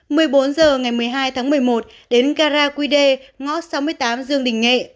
một mươi bốn giờ ngày một mươi hai tháng một mươi một đến gara quy đê ngõ sáu mươi tám dương đình nghệ